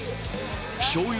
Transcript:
しょうゆ